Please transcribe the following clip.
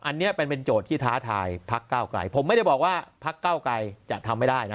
อันนี้เป็นเป็นโจทย์ที่ท้าทายพักเก้าไกลผมไม่ได้บอกว่าพักเก้าไกลจะทำไม่ได้นะ